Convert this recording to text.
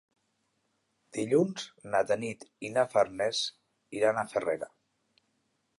Dilluns na Tanit i na Farners iran a Farrera.